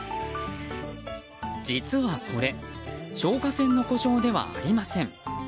実はこれ消火栓の故障ではありません。